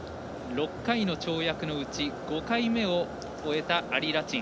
６回の跳躍のうち５回目を終えたアリ・ラチン。